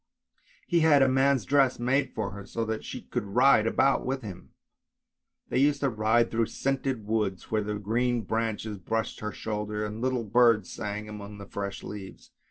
He had a man's dress made for her, so that she could ride about with him. They used to ride through scented woods, where the green branches brushed her shoulders, and little birds sang among the fresh leaves.